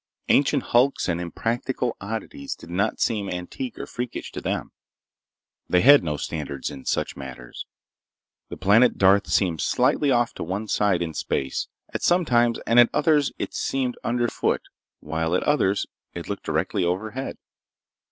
Ancient hulks and impractical oddities did not seem antique or freakish to them. They had no standards in such matters. The planet Darth seemed slightly off to one side in space, at some times, and at others it seemed underfoot while at others it looked directly overhead.